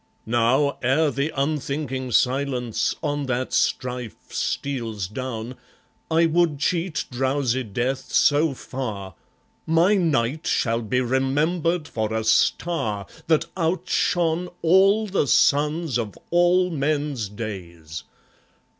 Now, ere the unthinking silence on that strife Steals down, I would cheat drowsy Death so far, My night shall be remembered for a star That outshone all the suns of all men's days.